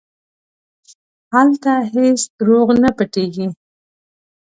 هلته هېڅ دروغ نه پټېږي.